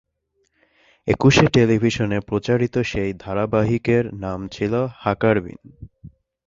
একুশে টেলিভিশনে প্রচারিত সেই ধারাবাহিকের নাম ছিল হাকারবিন।